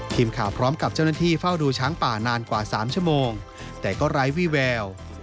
พร้อมกับเจ้าหน้าที่เฝ้าดูช้างป่านานกว่า๓ชั่วโมงแต่ก็ไร้วี่แวว